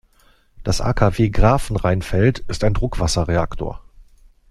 Das AKW Grafenrheinfeld ist ein Druckwasserreaktor.